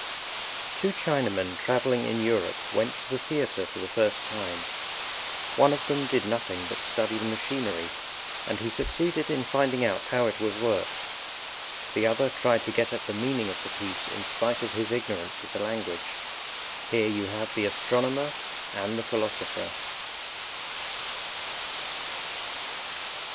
Two Chinamen traveling in Europe went to the theatre for the first time. One of them did nothing but study the machinery, and he succeeded in finding out how it was worked. The other tried to get at the meaning of the piece in spite of his ignorance of the language. Here you have the Astronomer and the Philosopher.